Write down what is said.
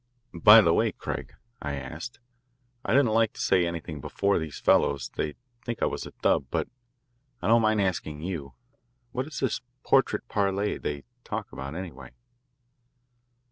"By the way, Craig," I asked, "I didn't like to say anything before those fellows. They'd think I was a dub. But I don't mind asking you. What is this 'portrait parle' they talk about, anyway?"